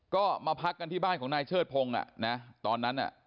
ก็มาพักกันที่บ้านของนายเชิดพงศ์อ่ะนะตอนนั้นน่ะ